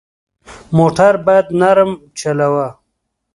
موټر باید نرم چلوه.